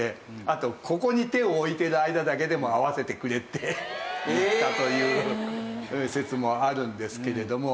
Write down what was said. あと「ここに手を置いてる間だけでも会わせてくれ」って言ったという説もあるんですけれども。